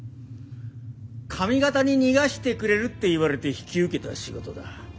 上方に逃がしてくれるって言われて引き受けた仕事だ。